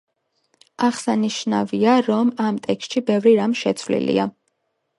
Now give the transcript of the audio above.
აღსანიშნავია, რომ ამ ტექსტში ბევრი რამ შეცვლილია.